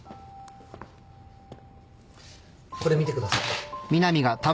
これ見てください。